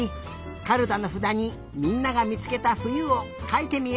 カルタのふだにみんながみつけたふゆをかいてみよう。